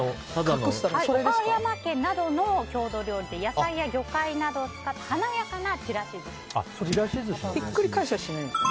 岡山県などの郷土料理で野菜や魚介などを使った華やかなちらし寿司です。